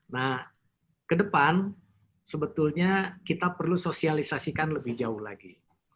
nah ke depan sebetulnya kita perlu sosialisasikan lebih jauh lagi